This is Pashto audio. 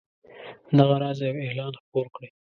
دغه راز یو اعلان خپور کړئ.